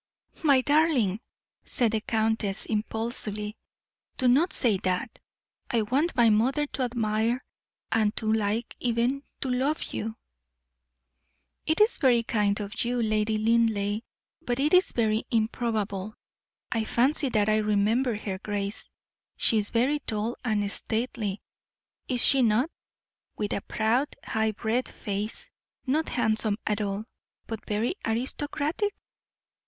"My darling," said the countess, impulsively, "do not say that. I want my mother to admire and to like, even to love you." "It is very kind of you, Lady Linleigh, but it is very improbable. I fancy that I remember her grace. She is very tall and stately, is she not? with a proud, high bred face not handsome at all, but very aristocratic?"